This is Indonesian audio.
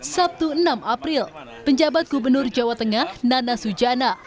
sabtu enam april penjabat gubernur jawa tengah nana sujana